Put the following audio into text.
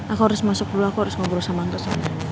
aku harus masuk dulu aku harus ngobrol sama untuk saya